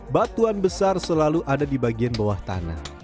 batuan besar selalu ada di bagian bawah tanah